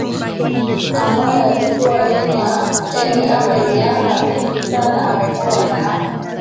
ambaye alikuwa yeye ame miaka mingi sana amekuwa na